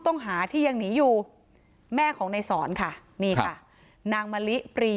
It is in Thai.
ต้องหาที่ยังหนีอยู่แม่ของในสอนค่ะนี่ค่ะนางมะลิปรี